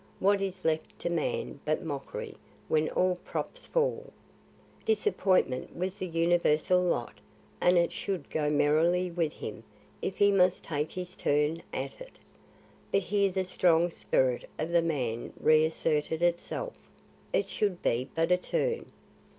What is left to man but mockery when all props fall? Disappointment was the universal lot; and it should go merrily with him if he must take his turn at it. But here the strong spirit of the man re asserted itself; it should be but a turn.